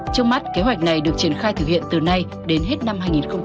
trong mắt kế hoạch này được triển khai thực hiện từ nay đến hết năm hai nghìn hai mươi